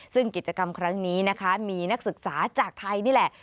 ซึ่งกิจกรรมครั้งนี้นะคะมีนักศึกษาจากไทยนี่แหละ